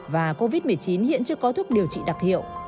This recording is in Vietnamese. và covid một mươi chín hiện chưa có thuốc điều trị đặc hiệu